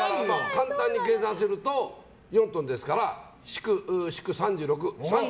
簡単に計算すると４トンですから４×９＝３６。